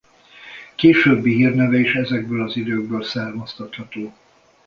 Későbbi hírneve is ezekből az időkből származtatható.